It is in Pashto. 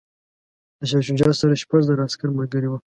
د شاه شجاع سره شپږ زره عسکر ملګري ول.